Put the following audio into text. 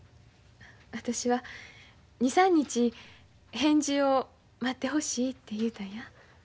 私は２３日返事を待ってほしいて言うたんや。